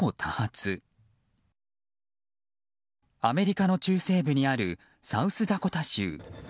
アメリカの中西部にあるサウスダコタ州。